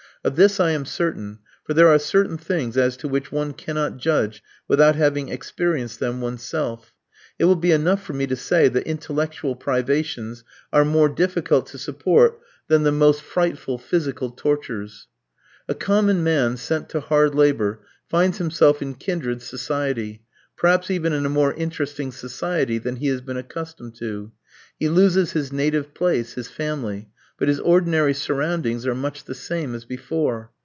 Of this I am certain, for there are certain things as to which one cannot judge without having experienced them oneself. It will be enough for me to say that intellectual privations are more difficult to support than the most frightful, physical tortures. A common man sent to hard labour finds himself in kindred society, perhaps even in a more interesting society than he has been accustomed to. He loses his native place, his family; but his ordinary surroundings are much the same as before.